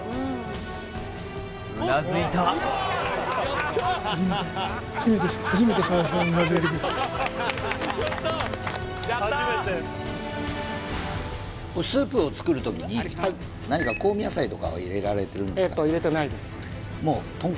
うなずいたスープを作る時にはい何か香味野菜とかは入れられてるんですか？